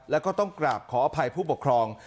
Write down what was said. แล้วก็ต้องกราบขออภัยผู้ปกครอง